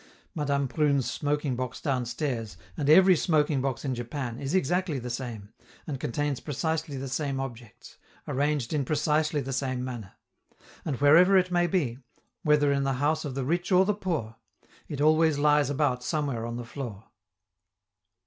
(Madame Prune's smoking box downstairs, and every smoking box in Japan, is exactly the same, and contains precisely the same objects, arranged in precisely the same manner; and wherever it may be, whether in the house of the rich or the poor, it always lies about somewhere on the floor.)